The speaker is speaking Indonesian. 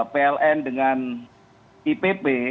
pln dengan ipb